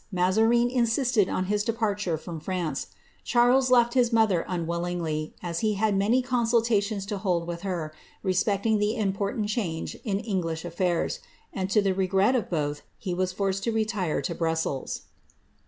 Mazarine insisted on his departure from France. Charles led his mother unwillingly, as he had many consultations to hold with her, respecting the important change m English aflidrs, and to the regret of both, he was forced to retire to Bmssels.